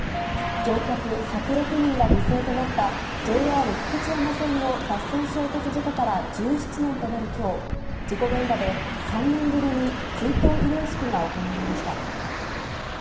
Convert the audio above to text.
乗客１０６人が犠牲となった、ＪＲ福知山線の脱線衝突事故から１７年となるきょう、事故現場で、３年ぶりに追悼慰霊式が行われました。